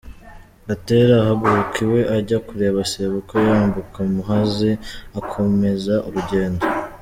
Gatera ahaguruka iwe ajya kureba sebukwe, yambuka Muhazi, akomeza urugendo.